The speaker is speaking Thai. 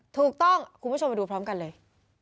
ถูกต้องคุณผู้ชมมาดูพร้อมกันเลย